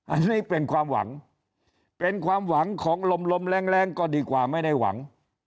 อันนี้เป็นความหวังเป็นความหวังของลมลมแรงก็ดีกว่าไม่ได้หวัง